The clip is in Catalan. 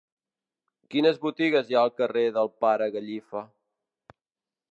Quines botigues hi ha al carrer del Pare Gallifa?